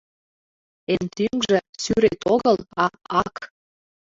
— Эн тӱҥжӧ сӱрет огыл, а ак!